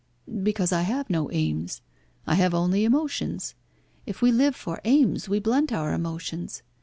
"Because I have no aims; I have only emotions. If we live for aims we blunt our emotions.